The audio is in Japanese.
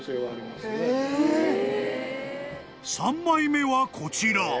［３枚目はこちら］